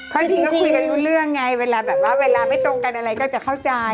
เขาจริงก็คุยกันรู้เรื่องไงเวลาแบบว่าเวลาไม่ตรงกันอะไรก็จะเข้าใจ